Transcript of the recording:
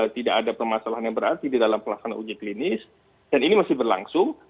tidak ada permasalahan yang berarti di dalam pelaksanaan uji klinis dan ini masih berlangsung